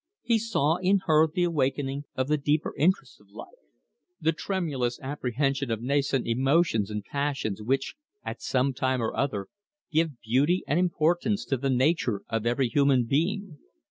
He saw in her the awakening of the deeper interests of life, the tremulous apprehension of nascent emotions and passions which, at some time or other, give beauty and importance to the nature of every human being.